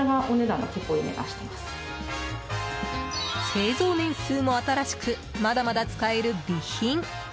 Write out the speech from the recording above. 製造年数も新しくまだまだ使える美品。